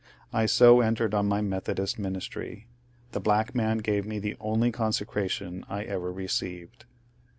I so entered on my Methodist ministry. The black man gave me the only con secration I ever received.